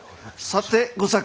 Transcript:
さて吾作。